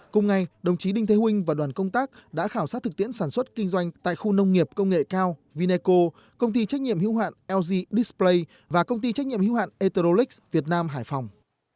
cùng ngày đồng chí đinh thế huynh và đoàn công tác đã khảo sát thực tiễn sản xuất kinh doanh tại khu nông nghiệp công nghệ cao vineco công ty trách nhiệm hữu hạn lg display và công ty trách nhiệm hữu hạn etallec việt nam hải phòng